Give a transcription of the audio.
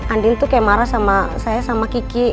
andin tuh kayak marah sama saya sama kiki